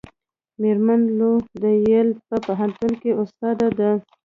میرمن لو د ییل په پوهنتون کې استاده ده.